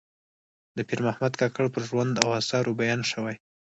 د پیر محمد کاکړ پر ژوند او آثارو بیان شوی.